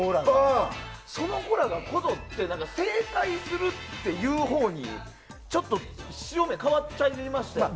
その子らがこぞって正解するっていうほうにちょっと潮目変わっちゃいましたよね。